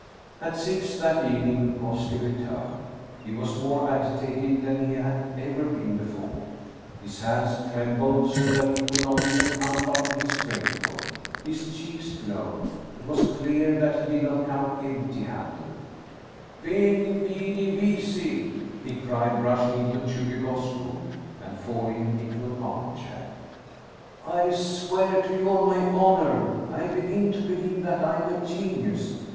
At six that evening Dukovski returned. He was more agitated than he had ever been before. His hands trem bled so that he could not even unbutton his greatcoat. His cheeks glowed. It was clear that he did not come empty handed. 172 Anton Chekhoff " Veni, vidi, vici! " he cried, rushing into Chubikoff s room, and falling into an armchair. " I swear to you on my honor, I begin to believe that I am a genius!